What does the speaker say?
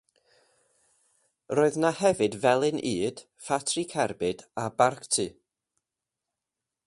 Roedd yna hefyd felin ŷd, ffatri cerbyd a barcty